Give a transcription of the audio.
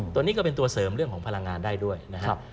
ตัวนี้ก็เป็นตัวเสริมเรื่องของพลังงานได้ด้วยนะครับ